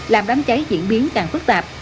làm đám cháy diễn biến càng phức tạp